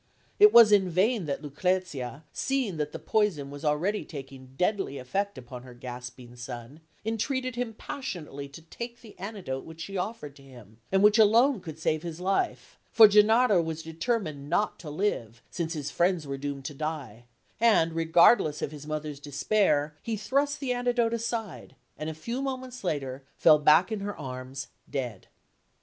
It was in vain that Lucrezia, seeing that the poison was already taking deadly effect upon her gasping son, entreated him passionately to take the antidote which she offered to him, and which alone could save his life; for Gennaro was determined not to live since his friends were doomed to die, and, regardless of his mother's despair, he thrust the antidote aside, and a few moments later fell back in her arms, dead.